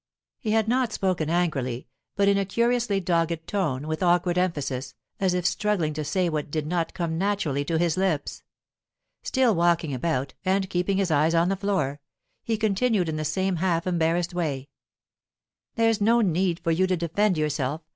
He had not spoken angrily, but in a curiously dogged tone, with awkward emphasis, as if struggling to say what did not come naturally to his lips. Still walking about, and keeping his eyes on the floor, he continued in the same half embarrassed way: "There's no need for you to defend yourself.